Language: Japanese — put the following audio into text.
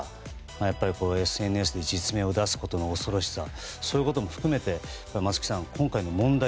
やっぱりＳＮＳで実名を出すことの恐ろしさそういうことも含めて松木さん、今回の問題